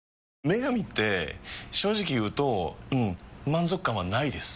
「麺神」って正直言うとうん満足感はないです。